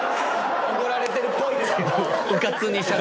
怒られてるっぽいですけど。